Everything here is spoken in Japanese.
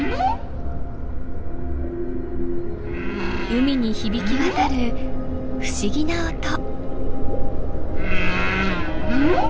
海に響き渡る不思議な音。